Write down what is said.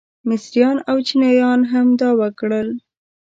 مصریان او چینیان هم دا وکړل.